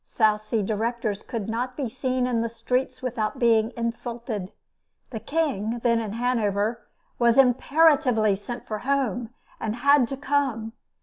South Sea directors could not be seen in the streets without being insulted. The King, then in Hanover, was imperatively sent for home, and had to come.